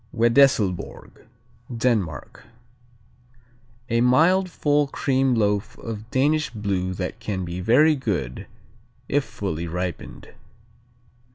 Wedesslborg Denmark A mild, full cream loaf of Danish blue that can be very good if fully ripened.